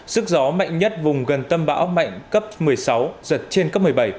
sức gió mạnh nhất vùng gần tâm bão mạnh cấp một mươi sáu giật trên cấp một mươi bảy